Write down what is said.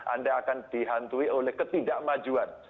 anda akan dihantui oleh ketidakmajuan